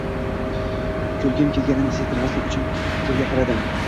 Kulgim kelganini sezdirmaslik uchun erga qaradim